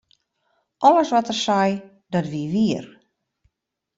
Alles wat er sei, dat wie wier.